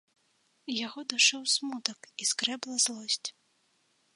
Яго душыў смутак і скрэбла злосць.